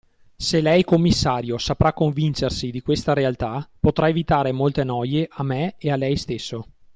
Se lei commissario, saprà convincersi di questa realtà, potrà evitare molte noie a me e a lei stesso.